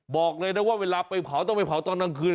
บอกเลยนะว่าเวลาไปเผาต้องไปเผาตอนกลางคืน